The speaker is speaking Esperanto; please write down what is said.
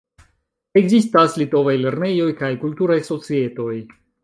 Ekzistas litovaj lernejoj kaj kulturaj societoj.